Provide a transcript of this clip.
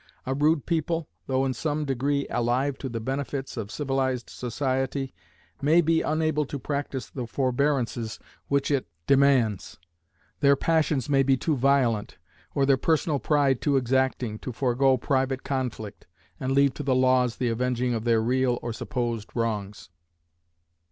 A rude people, though in some degree alive to the benefits of civilized society, may be unable to practice the forbearances which it demands; their passions may be too violent, or their personal pride too exacting, to forego private conflict, and leave to the laws the avenging of their real or supposed wrongs.